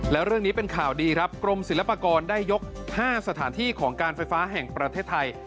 แล้วเรื่องนี้เป็นข่าวดีครับกรมศิลปากรได้ยก๕สถานที่ของการไฟฟ้าแห่งประเทศไทย